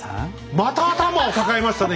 また頭を抱えましたね